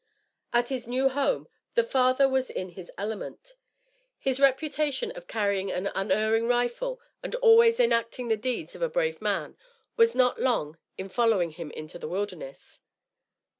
At his new home, the father was in his element. His reputation of carrying an unerring rifle and always enacting the deeds of a brave man, was not long in following him into this wilderness.